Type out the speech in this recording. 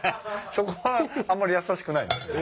そこはあんまり優しくない。